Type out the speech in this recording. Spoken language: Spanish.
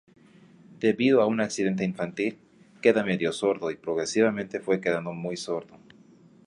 Debido a un accidente infantil, queda medio sordo, y progresivamente fue quedando muy sordo.